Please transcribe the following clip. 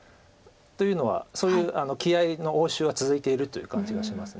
というのはそういう気合いの応酬は続いているという感じがします。